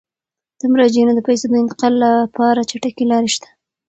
د مراجعینو د پيسو د انتقال لپاره چټکې لارې شته.